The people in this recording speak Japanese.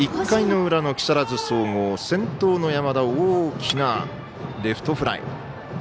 １回の裏の木更津総合先頭の山田を大きなレフトフライ。